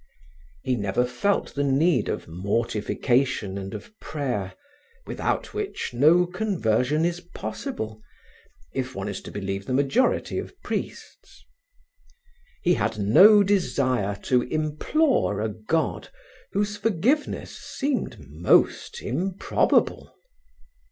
He never felt the need of mortification and of prayer, without which no conversion in possible, if one is to believe the majority of priests. He had no desire to implore a God whose forgiveness seemed most improbable.